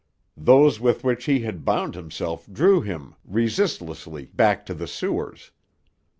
Those with which he had bound himself drew him resistlessly back to the sewers.